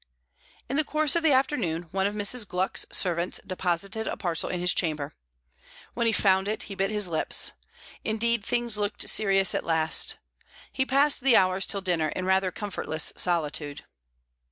In the course of the afternoon, one of Mrs. Gluck's servants deposited a parcel in his chamber. When he found it, he bit his lips. Indeed, things looked serious at last. He passed the hours till dinner in rather comfortless solitude.